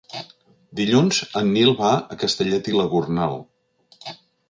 Dilluns en Nil va a Castellet i la Gornal.